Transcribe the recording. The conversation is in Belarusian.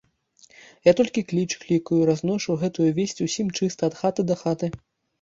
Я толькі кліч клікаю і разношу гэтую весць усім чыста ад хаты да хаты.